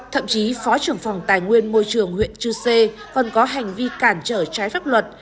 thậm chí phó trưởng phòng tài nguyên môi trường huyện chư sê còn có hành vi cản trở trái pháp luật